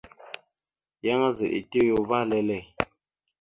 Yan azaɗ etew ya uvah lele.